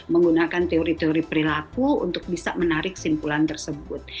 menggunakan teori teori perilaku untuk bisa menarik simpulan tersebut